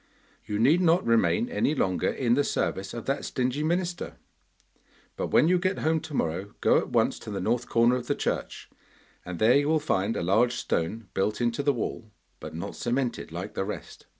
You need not remain any longer in the service of that stingy minister, but when you get home to morrow go at once to the north corner of the church, and there you will find a large stone built into the wall, but not cemented like the rest.